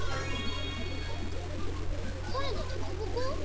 「こえのデコボコ」？